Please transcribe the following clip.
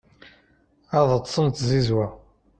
ad ṭṭsen d tzizwa